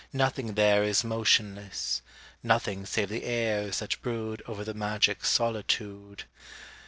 Nothing there is motionless Nothing save the airs that brood Over the magic solitude.